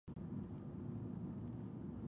غازيان چې تږي او ستړي وو، زړور وو.